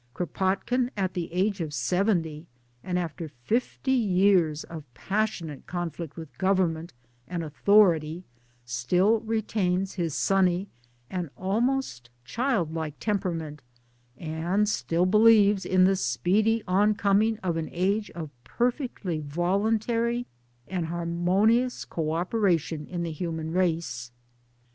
Kropotkin at the age of seventy and after fifty years of passionate con flict with ' government ' and ' authority ' still retains his sunny and almost child like temperament and still believes in the speedy oncoming of an age of perfectly voluntary and harmonious co operation in the human race.